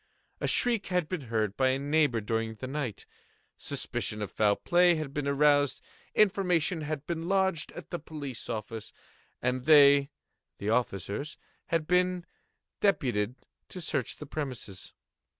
A shriek had been heard by a neighbour during the night; suspicion of foul play had been aroused; information had been lodged at the police office, and they (the officers) had been deputed to search the premises.